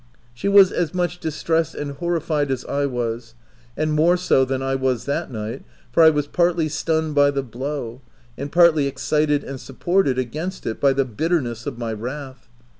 She was as much distressed and horrified as I was — and more so than I was that night, for I was partly stunned by the blow, and partly excited and supported against it by the bitterness of my wrath.